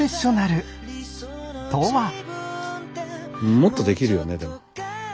もっとできるよねでも。